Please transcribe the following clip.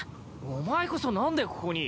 お前こそ何でここに？